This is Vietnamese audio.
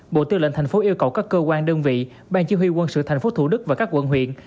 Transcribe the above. bộ tư lệnh tp hcm yêu cầu các cơ quan đơn vị bang chiêu huy quân sự tp hcm và các quận huyện